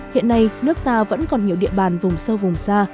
hiện nay nước ta vẫn còn nhiều địa bàn vùng sâu vùng xa